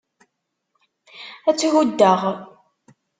Ad tt-huddeɣ.